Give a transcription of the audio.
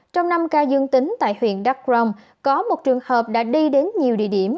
trong năm ca dương tính tại huyện đắk rồng có một trường hợp đã đi đến nhiều địa điểm